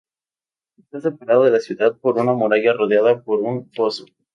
Está separado de la ciudad por una muralla rodeada por un foso.